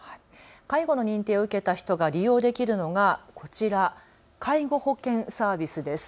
介護の認定を受けた人が利用できるのがこちら、介護保険サービスです。